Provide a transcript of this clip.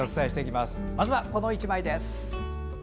まずは、この１枚です。